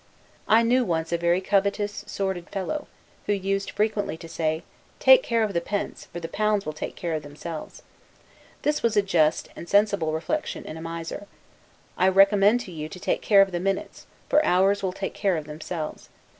I knew once a very covetous, sordid fellow, who used frequently to say, "Take care of the pence; for the pounds will take care of themselves." This was a just and sensible reflection in a miser. I recommend to you to take care of the minutes; for hours will take care of themselves.